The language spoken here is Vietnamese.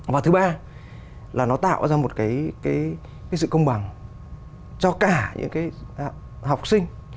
và thứ ba là nó tạo ra một sự công bằng cho cả những học sinh